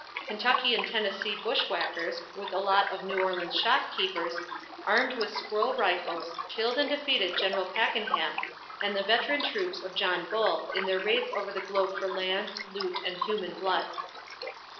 Kentucky and Tennessee "Bushwhackers," with a lot of New Orleans shopkeepers, armed with squirrel rifles, killed and defeated General Pakenham, and the veteran troops of John Bull, in their raids over the globe for land, loot and human blood.